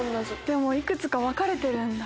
でもいくつか分かれてるんだ。